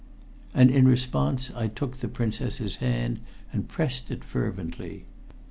And in response I took the Princess's hand and pressed it fervently.